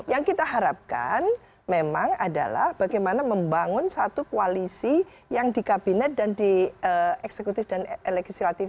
yang kita harapkan memang adalah bagaimana membangun satu koalisi yang di kabinet dan di eksekutif dan legislatif